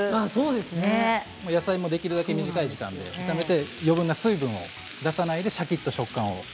野菜もできるだけ短い時間で炒めて余分な水分を出さないでシャキっと食感も。